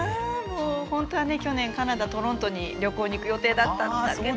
本当はね、去年カナダのトロントに旅行に行く予定だったんだけど。